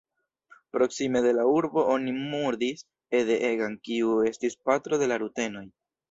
Proksime de la urbo oni murdis Ede Egan, kiu estis patro de la rutenoj.